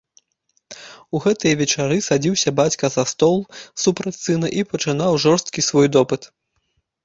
У гэтыя вечары садзіўся бацька за стол супраць сына і пачынаў жорсткі свой допыт.